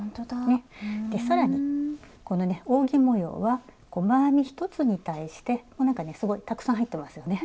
ねっ更にこのね扇模様は細編み１つに対してこうなんかねすごいたくさん入ってますよね